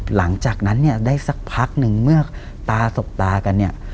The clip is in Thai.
หลังจากนั้นเนี่ยได้สักพักหนึ่งเมื่อตาสบตากันเนี่ย